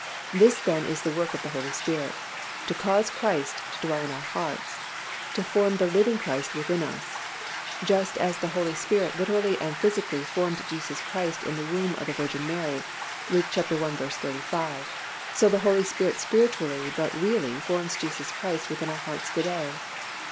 This then is the work of the Holy Spirit, to cause Christ to dwell in our hearts, to form the living Christ within us. Just as the Holy Spirit literally and physically formed Jesus Christ in the womb of the Virgin Mary (Luke i. 35) so the Holy Spirit spiritually but really forms Jesus Christ within our hearts to day.